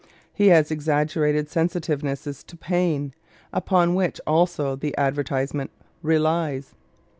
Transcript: He has an exaggerated sensitiveness to pain, upon which also the advertisement relies.